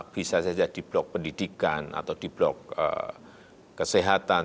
bisa saja di blok pendidikan atau di blok kesehatan